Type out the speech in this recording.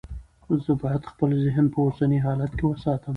زه باید خپل ذهن په اوسني حالت کې وساتم.